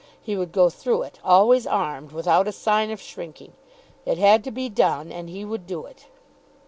He would go through it, always armed, without a sign of shrinking. It had to be done, and he would do it.